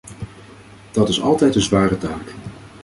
Dat is altijd een zware taak.